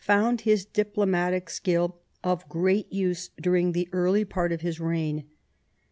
found his diplomatic skill of great use during the early part of his reign.